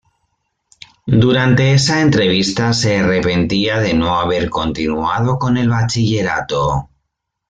Durante esa entrevista se arrepentía de no haber continuado con el Bachillerato.